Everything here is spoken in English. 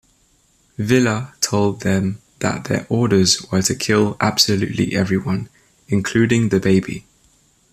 Villa told them that their orders were to kill absolutely everyone, including the baby.